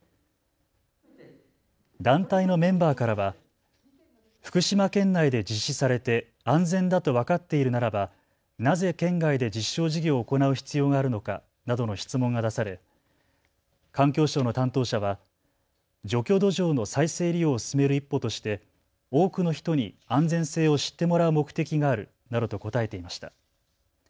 団体のメンバーからは福島県内で実施されて安全だと分かっているならば、なぜ県外で実証事業を行う必要があるのかなどの質問が出され環境省の担当者は除去土壌の再生利用を進める一歩として多くの人に安全性を知ってもらう目的があるなどと答えていました。